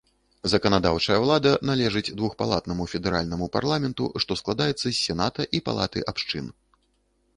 Заканадаўчая ўлада належыць двухпалатнаму федэральнаму парламенту, што складаецца з сената і палаты абшчын.